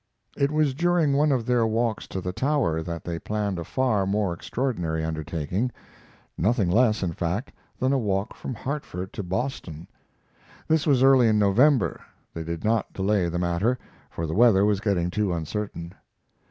It was during one of their walks to the tower that they planned a far more extraordinary undertaking nothing less, in fact, than a walk from Hartford to Boston. This was early in November. They did not delay the matter, for the weather was getting too uncertain.